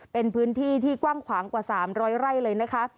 เป็นพื้นที่ที่กว้างขวางกว่า๓๐๐ไร่เลยนะคะ